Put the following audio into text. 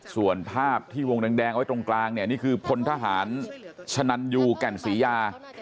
ส่วนภาพที่วงแดงไว้ตรงกลางเนี่ยนี่คือพลทหารชะนันยูแก่นศรียา